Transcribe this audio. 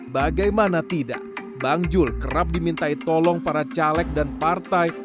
bagaimana tidak bang jul kerap dimintai tolong para caleg dan partai